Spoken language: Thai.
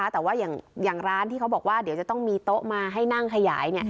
แต่ว่าอย่างร้านที่เขาบอกว่าเดี๋ยวจะต้องมีโต๊ะมาให้นั่งขยาย